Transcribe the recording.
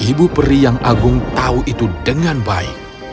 dan ibu peri yang agung tahu itu dengan baik